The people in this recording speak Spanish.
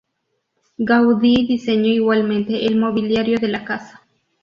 Gaudí diseñó igualmente el mobiliario de la casa.